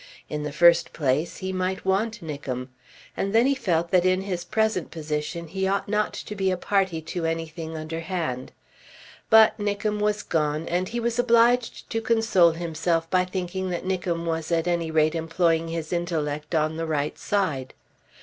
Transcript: In the first place he might want Nickem. And then he felt that in his present position he ought not to be a party to anything underhand. But Nickem was gone, and he was obliged to console himself by thinking that Nickem was at any rate employing his intellect on the right side.